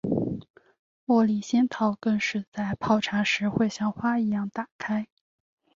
茉莉仙桃更是在泡茶时会像花一样打开。